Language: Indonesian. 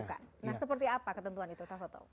nah seperti apa ketentuan itu tafatul